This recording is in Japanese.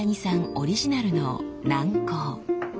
オリジナルの軟膏。